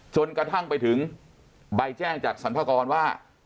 จนกระทั่งไปถึงใบแจ้งจากสรรพากรว่า